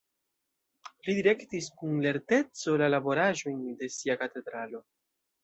Li direktis kun lerteco la laboraĵojn de sia katedralo.